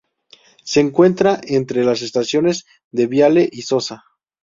Se encuentra entre las estaciones de Viale y Sosa.